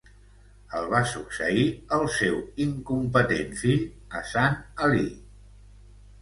El va succeir el seu incompetent fill Hasan Ali.